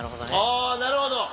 あなるほど。